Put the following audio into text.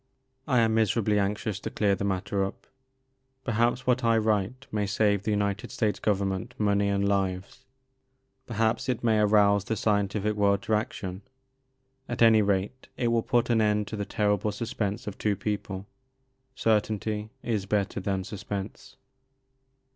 I am miserably anxious to clear the mat ter up. Perhaps what I write may save the United States Government money and lives, per haps it may arouse the scientific world to action ; at any rate it will put an end to the terrible sus pense of two people. Certainty is better than suspense.